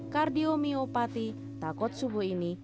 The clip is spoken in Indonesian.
kardiomiopati takut subuh ini